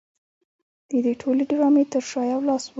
د دې ټولې ډرامې تر شا یو لاس و